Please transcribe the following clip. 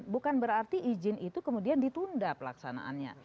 bukan berarti izin itu kemudian ditunda pelaksanaannya